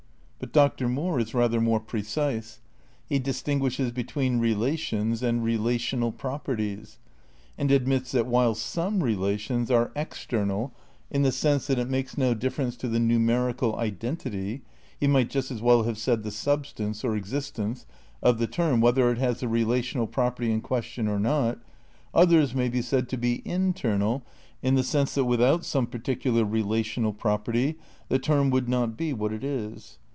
But Dr. Moore is rather more precise. He distin guishes between relations and "relational properties," and admits that while some relations are external in the sense that it makes no difference to the numerical identity (he might just as weU have said the substance, or existence) of the term whether it has the relational property in question or not, others may be said to be internal in the sense that without some particular re lational property the term would not be what it is.